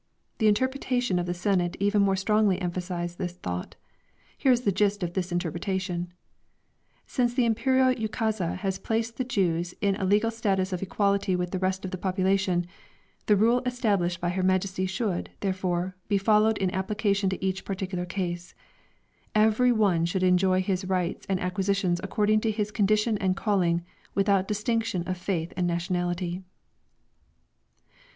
The Interpretation of the Senate even more strongly emphasised this thought. Here is the gist of this Interpretation: "Since the Imperial Ukase has placed the Jews in a legal status of equality with the rest of the population, the rule established by her Majesty should, therefore, be followed in application to each particular case. Every one should enjoy his rights and acquisitions according to his condition and calling without distinction of faith and nationality."